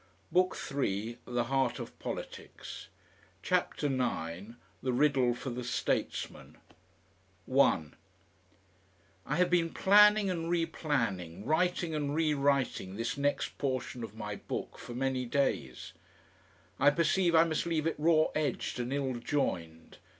BOOK THE THIRD: THE HEART OF POLITICS CHAPTER THE FIRST ~~ THE RIDDLE FOR THE STATESMAN 1 I have been planning and replanning, writing and rewriting, this next portion of my book for many days. I perceive I must leave it raw edged and ill joined.